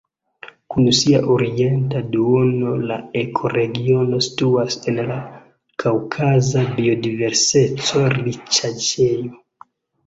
Kun sia orienta duono la ekoregiono situas en la kaŭkaza biodiverseco-riĉaĵejo.